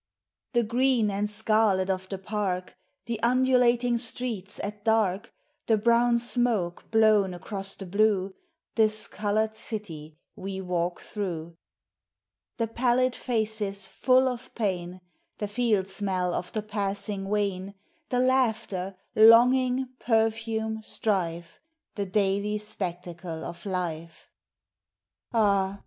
The green and scarlet of the Park, The undulating streets at dark, The brown smoke blown across the blue, This colored city we walk through ;— The pallid faces full of pain, The field smell of the passing wain, The laughter, longing, perfume, strife, The daily spectacle of life ;— Ah